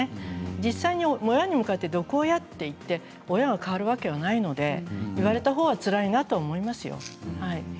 実際に親に向かって毒親と言って親が変わるわけはないので呼ばれた方はつらいなと思いますよ。